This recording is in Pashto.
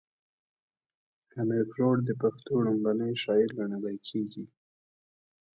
امير کروړ د پښتو ړومبی شاعر ګڼلی کيږي